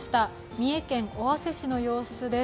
三重県尾鷲市の様子です。